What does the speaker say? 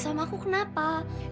sama aku kenapa